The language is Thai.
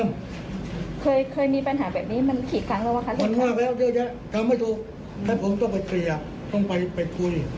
มันมากแล้วทำไม่ถูกถ้าผมต้องไปเกลียดต้องไปคุย